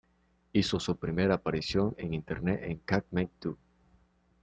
Hizo su primera aparición en internet en "Cat Man Do".